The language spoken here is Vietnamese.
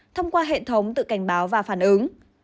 thông qua hệ thống tự cảnh báo và phản ứng